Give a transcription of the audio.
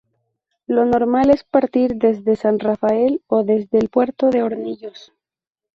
Lo normal es partir desde San Rafael o desde el puerto de Hornillos.